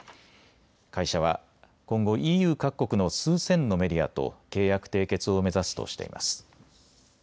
会社は今後、ＥＵ各国の数千のメディアと契約締結を目指すとしています。